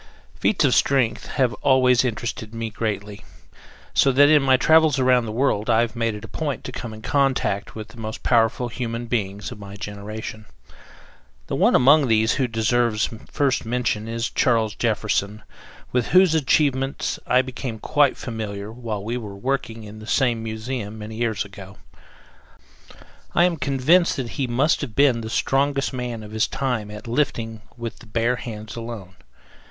Feats of strength have always interested me greatly, so that in my travels around the world I have made it a point to come in contact with the most powerful human beings of my generation. The one among these who deserves first mention is Charles Jefferson, with whose achievements I became quite familiar while we were working in the same museum many years ago. I am convinced that he must have been the strongest man of his time at lifting with the bare hands alone.